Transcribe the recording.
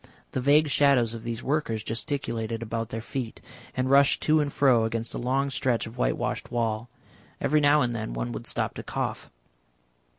The vague shadows of these workers gesticulated about their feet, and rushed to and fro against a long stretch of white washed wall. Every now and then one would stop to cough.